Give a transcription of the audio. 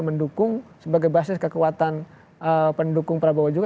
mendukung sebagai basis kekuatan pendukung prabowo juga